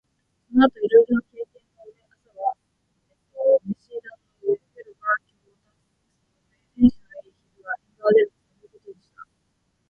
その後いろいろ経験の上、朝は飯櫃の上、夜は炬燵の上、天気のよい昼は縁側へ寝る事とした